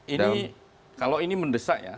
ini kalau ini mendesak ya